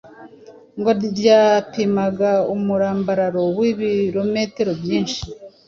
ngo ryapimaga umurambararo w’ibirometero byinshi